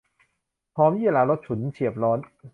หอมยี่หร่ารสฉุน เฉียบร้อน